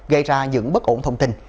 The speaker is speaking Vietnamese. gây ra những bất ổn thông tin